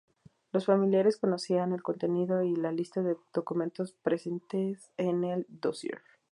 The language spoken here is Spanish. Los familiares conocían el contenido y la lista de documentos presentes en el "dossier".